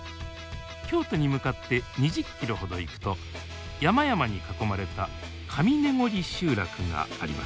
京都に向かって２０キロほど行くと山々に囲まれた上根来集落があります。